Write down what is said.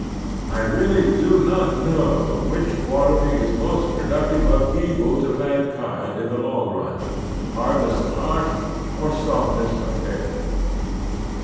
I really do not know which quality is jxo The Strenuous Life most productive of evil to mankind in the long run, hardness of heart or softness of head.